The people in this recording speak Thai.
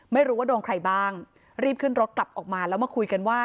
ไม่รู้ว่าโดนใครบ้างรีบขึ้นรถกลับออกมาแล้วมาคุยกันว่า